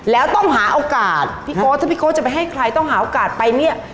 แล้วต้องหาโอกาสพี่โก๊ถ้าพี่โก๊จะไปให้ใครต้องหาโอกาสไปเนี่ย